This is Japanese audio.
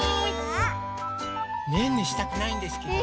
ねんねしたくないんですけど。